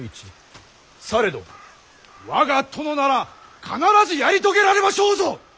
されど我が殿なら必ずやり遂げられましょうぞ！